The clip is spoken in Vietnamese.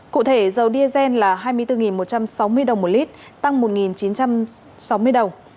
cụ thể dầu diesel là hai mươi bốn một trăm sáu mươi đồng một lít tăng một chín trăm sáu mươi đồng